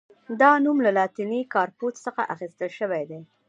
دا نوم له لاتیني «کارپوس» څخه اخیستل شوی دی.